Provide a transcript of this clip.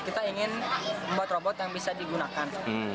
kita ingin membuat robot yang bisa digunakan